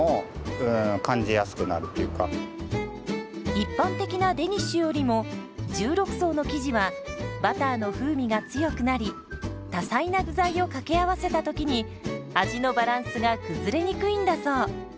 一般的なデニッシュよりも１６層の生地はバターの風味が強くなり多彩な具材を掛け合わせた時に味のバランスが崩れにくいんだそう。